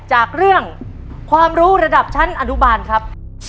จากเรื่องความรู้ระดับชั้นอนุบาลครับ